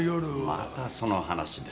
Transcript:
またその話ですか。